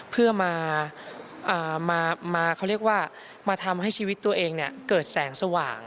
เพื่อมาทำให้ชีวิตตัวเองเกิดแสงสว่าง